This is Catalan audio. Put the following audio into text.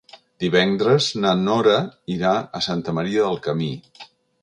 Divendres na Nora irà a Santa Maria del Camí.